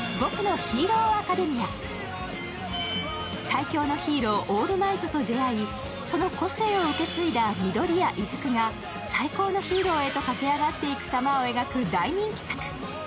最強のヒーロー、オールマイトと出会い、その個性を受け継いだ緑谷出久が最高のヒーローへと駆け上がっていく様を描く大人気作。